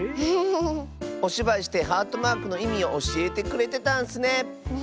おしばいしてハートマークのいみをおしえてくれてたんスね。